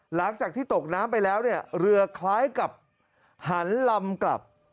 หลังจากที่ตกน้ำไปแล้วเนี่ยเรือคล้ายกับหันลำกลับ